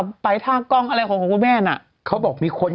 สวัสดีค่ะข้าวใส่ไข่สดใหม่เยอะสวัสดีค่ะ